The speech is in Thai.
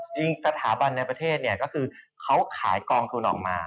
จริงสถาบันในประเทศเขาขายกองทุนออกมา